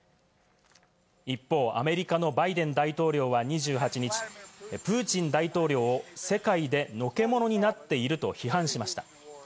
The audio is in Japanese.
一方、アメリカのバイデン大統領は２８日、プーチン大統領を世界でのけ者になっていると批判しました。